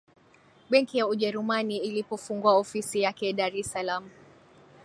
benki ya ujerumani ilipofungua ofisi yake dar es Salaam